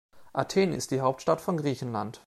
Athen ist die Hauptstadt von Griechenland.